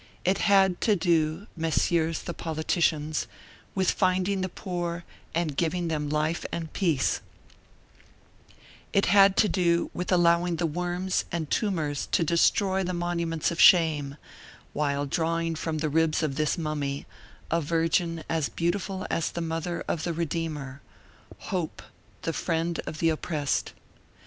It had to do, messieurs the politicians, with finding the poor and giving them life and peace; it had to do with allowing the worms and tumors to destroy the monuments of shame, while drawing from the ribs of this mummy a virgin as beautiful as the mother of the Redeemer, hope, the friend of the oppressed.